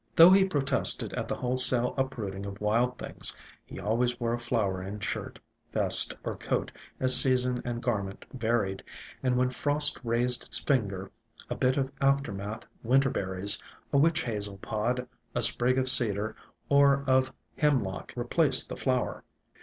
Though he protested at the wholesale uprooting of wild things, he always wore a flower in shirt, vest, or coat, as season and garment varied; and when frost raised its fin 96 IN SILENT WOODS ger, a bit of aftermath — Winterberries, a Witch Hazel pod — a sprig of Cedar or of Hemlock re placed the flower.